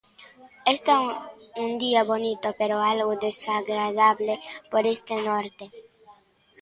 Está un día bonito, pero algo desagradable por este norte.